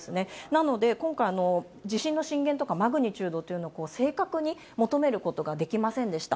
なので、今回、地震の震源とかマグニチュードというのは正確に求めることができませんでした。